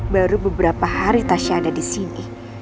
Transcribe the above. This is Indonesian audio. baru beberapa hari tasha ada di sini